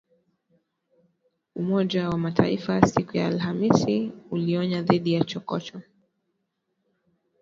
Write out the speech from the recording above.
Umoja wa Mataifa siku ya AlhamisI ulionya dhidi ya chokochoko